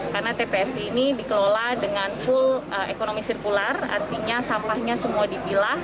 karena tpst ini dikelola dengan full ekonomi sirkular artinya sampahnya semua dipilah